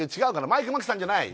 マイク眞木さんじゃない？